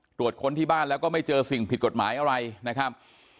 ตรวจค้นที่บ้านแล้วก็ไม่เจอสิ่งผิดกฎหมายอะไรนะครับ